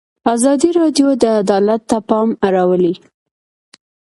ازادي راډیو د عدالت ته پام اړولی.